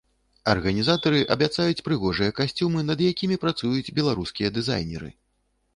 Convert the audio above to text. Арганізатары абяцаюць прыгожыя касцюмы, над якімі працуюць беларускія дызайнеры.